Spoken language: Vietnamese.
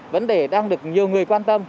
vấn đề đang được nhiều người quan tâm